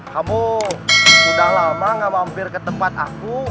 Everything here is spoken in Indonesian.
kamu sudah lama gak mampir ke tempat aku